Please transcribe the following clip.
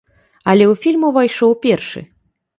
Але ў фільм увайшоў першы.